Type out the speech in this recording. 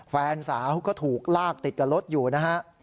แฟนสาวก็ถูกลากติดกับรถอยู่นะฮะ